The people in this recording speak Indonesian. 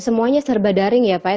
semuanya serba daring ya pak ya